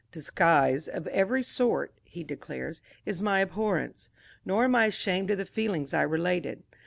"Disguise of every sort," he declares, "is my abhorrence. Nor am I ashamed of the feelings I related.